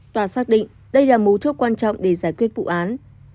tòa xác định đây là mấu chốt quan trọng để giải quyết vụ án